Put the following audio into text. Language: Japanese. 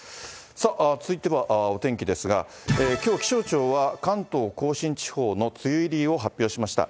さあ、続いてはお天気ですが、きょう、気象庁は、関東甲信地方の梅雨入りを発表しました。